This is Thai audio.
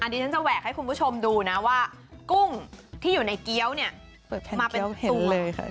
อันนี้ฉันจะแหวกให้คุณผู้ชมดูนะว่ากุ้งที่อยู่ในเกี้ยวเนี่ยมาเป็นตัวแผ่นเกี้ยวเห็นเลยค่ะ